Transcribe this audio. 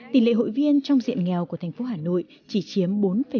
tỉ lệ hội viên trong diện nghèo của thành phố hà nội chỉ chiếm bốn một